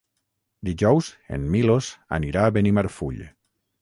Dijous en Milos irà a Benimarfull.